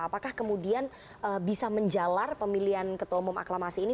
apakah kemudian bisa menjalar pemilihan ketua umum aklamasi ini